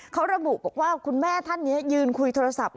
เขาระบุบอกว่าคุณแม่ท่านนี้ยืนคุยโทรศัพท์